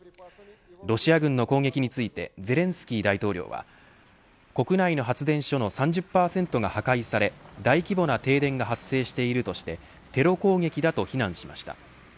ロシア人の攻撃についてゼレンスキー大統領は国内の発電所の３０％が破壊され大規模な停電が発生しているとしてテロ攻撃だと非難しました。